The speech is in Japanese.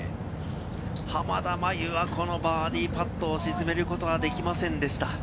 濱田茉優はこのバーディーパットを沈めることができませんでした。